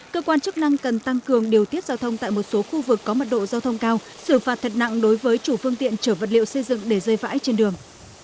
cơ quan chức năng cần tăng cường điều tiết giao thông tại một số khu vực có mật độ giao thông cao xử phạt thật nặng đối với chủ phương tiện chở vật liệu xây dựng để rơi vãi trên đường